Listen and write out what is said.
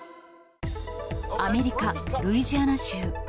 アメリカ・ルイジアナ州。